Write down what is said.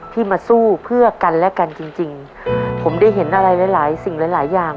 ที่มาสู้เพื่อกันและกันจริงจริงผมได้เห็นอะไรหลายหลายสิ่งหลายหลายอย่าง